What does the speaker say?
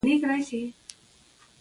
غږ د کوچنیانو خندا ده